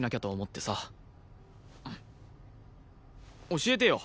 教えてよ